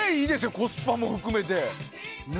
コスパも含めて。